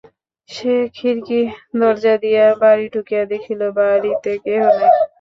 সে খিড়কি-দরজা দিয়া বাড়ি ঢুকিয়া দেখিল, বাড়িতে কেহ নাই।